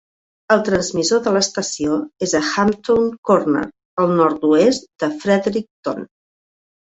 El transmissor de l'estació és a Hamtown Corner, el nord-oest de Fredericton.